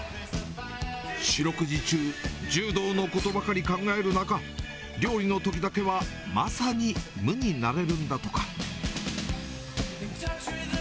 四六時中、柔道のことばかり考える中、料理のときだけはまさに無になれるんだとか。